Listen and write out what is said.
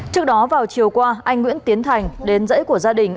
trước đó vào chiều qua anh nguyễn tiến thành đến dãy của gia đình